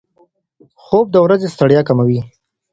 خوب د ورځې ستړیا کموي.